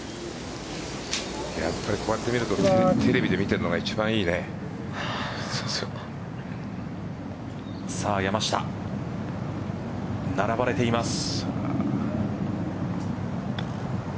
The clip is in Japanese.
やっぱり、こうやって見るとテレビで見ているのがさあ山下。並ばれています。